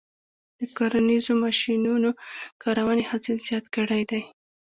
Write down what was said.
د کرنیزو ماشینونو کارونې حاصل زیات کړی دی.